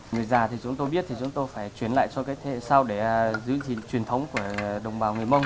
người già thì chúng tôi biết thì chúng tôi phải truyền lại cho cái thế hệ sau để giữ gìn truyền thống của đồng bào người mông